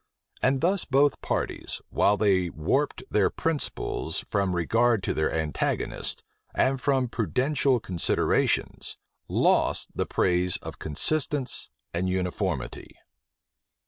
And thus both parties, while they warped their principles from regard to their antagonists, and from prudential considerations, lost the praise of consistence and uniformity.